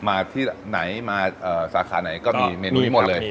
มาที่ไหนมาสาขาไหนก็มีเมนูนี้หมดเลย